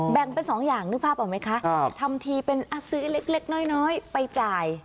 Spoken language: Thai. แบ่งเป็น๒อย่างนึกภาพเหรอไหมคะธรรมทีเป็นซื้อเล็กน้อยแล้วไปจ่าย